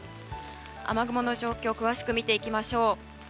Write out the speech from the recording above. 雨雲の状況を詳しく見ていきましょう。